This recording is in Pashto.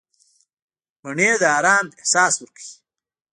مني د آرام احساس ورکوي